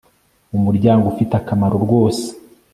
umuryango ufite akamaro rwose